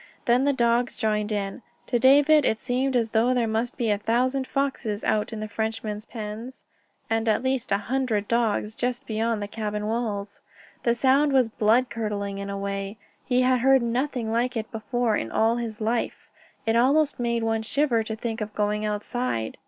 Then the dogs joined in. To David it seemed as though there must be a thousand foxes out in the Frenchman's pens, and at least a hundred dogs just beyond the cabin walls. The sound was blood curdling in a way. He had heard nothing like it before in all his life; it almost made one shiver to think of going outside.